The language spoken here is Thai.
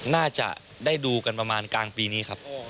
น่าจะได้ดูกันประมาณกลางปีนี้ครับ